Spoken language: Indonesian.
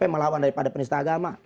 melawan daripada penista agama